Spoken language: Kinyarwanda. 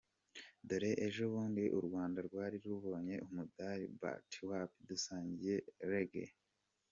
Dore ejo bundi u Rwanda rwari rubonye umudali but wapi yadusigiye rage.